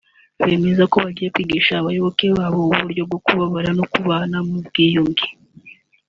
bemeza ko bagiye kwigisha abayoboke babo uburyo bwo kubabarira no kubana mu bwiyunge